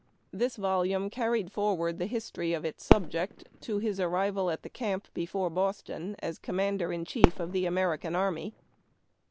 This volume carried forward the history of its subject to his arrival at the camp before Boston as Com mander in Chief of the American Army.